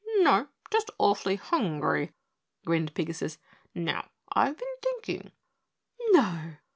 "No, just awfully hungry," grinned Pigasus. "Now I've been thinking " "NO?"